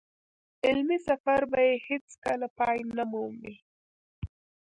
علمي سفر به يې هېڅ کله پای نه مومي.